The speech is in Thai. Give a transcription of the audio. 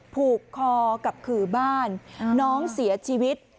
ผูกคอกับขื่อบ้านน้องเสียชีวิต